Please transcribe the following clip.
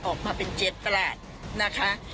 ออกมาเป็น๗ตลาดนะคะ